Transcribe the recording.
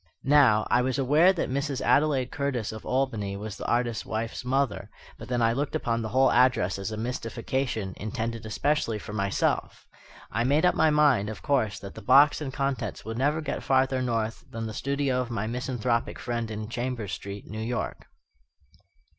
Now, I was aware that Mrs. Adelaide Curtis of Albany was the artist's wife's mother; but then I looked upon the whole address as a mystification, intended especially for myself. I made up my mind, of course, that the box and contents would never get farther north than the studio of my misanthropic friend in Chambers Street, New York.